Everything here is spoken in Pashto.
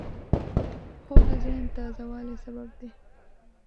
خوب د ذهن تازه والي سبب دی